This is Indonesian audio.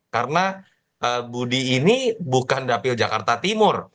karena budi ini bukan dapil jakarta timur